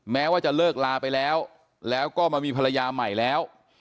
แม้ว่าจะเลิกลาไปแล้วแล้วก็มามีภรรยาใหม่แล้ว